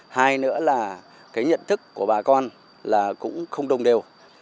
hai nữa là cái nhận thức của bà con là cũng không đồng đều